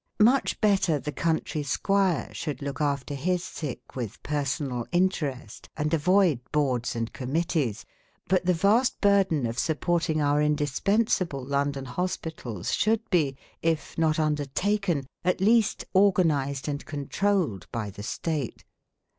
Much better the country squire should look after his sick with personal interest and avoid Boards and Committees. But the vast burden of supporting our indispensable London hospitals should be, if not undertaken, at least organized and controlled by the State.